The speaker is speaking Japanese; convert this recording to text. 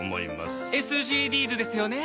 ＳＧＤｓですよね。